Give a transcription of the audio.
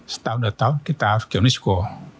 setahun dua tahun kita harus ke unesco